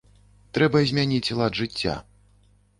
Трэба змяніць лад жыцця.